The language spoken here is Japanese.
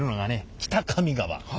北上川。